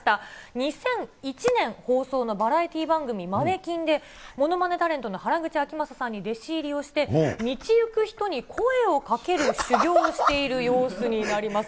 ２００１年放送のバラエティー番組、まねキンで、ものまねタレントの原口あきまささんに弟子入りをして、道行く人に声をかける修業している様子です。